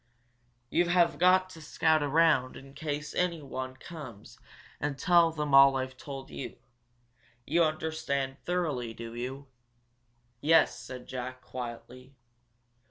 You have got to scout around in case anyone comes and tell them all I've told you. You understand thoroughly, do you?" "Yes," said Jack, quietly.